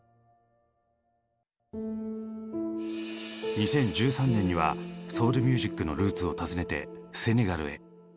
２０１３年にはソウルミュージックのルーツを訪ねてセネガルへ。